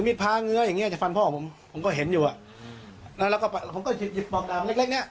แล้วผมก็เห็นอยู่ก็หยิบปอกดามนี้